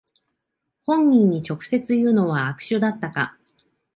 本人に直接言うのは悪手だったか